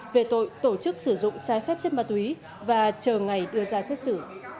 về tội tổ chức sử dụng trái phép chất ma túy và chờ ngày đưa ra xét xử